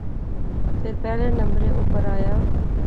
فیر پہلے نمبرے اوپر آیا